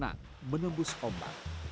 menang menembus ombak